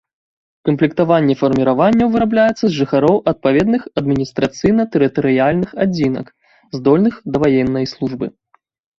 Камплектаванне фарміраванняў вырабляецца з жыхароў адпаведных адміністрацыйна-тэрытарыяльных адзінак, здольных да ваеннай службы.